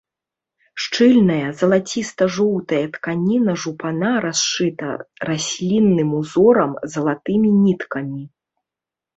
Шчыльная, залаціста-жоўтая тканіна жупана расшыта раслінным узорам залатымі ніткамі.